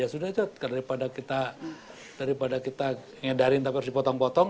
ya sudah jodh daripada kita ngedarin tapi harus dipotong potong